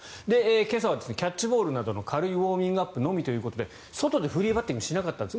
今朝はキャッチボールなどの軽いウォーミングアップのみということで外でフリーバッティングしなかったんです。